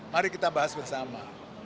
mari kita bahas bersama